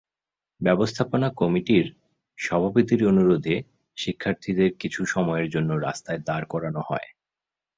ব্যবস্থাপনা কমিটির সভাপতির অনুরোধে শিক্ষার্থীদের কিছু সময়ের জন্য রাস্তায় দাঁড় করানো হয়।